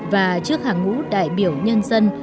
và trước hạng ngũ đại biểu nhân dân